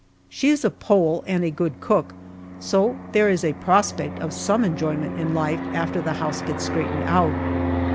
She is a Pole and a good cook, so there is a prospect of some enjoyment in life after the house gets straightened out.